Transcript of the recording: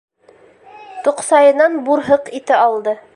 Тоҡсайынан бурһыҡ ите алды.